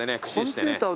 コンピューター。